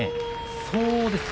そうですね。